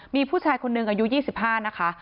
มีผู้ชายคนหนึ่งอายุ๒๕นะคะ